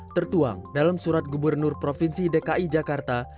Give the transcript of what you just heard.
tertuang dalam surat gubernur provinsi dki jakarta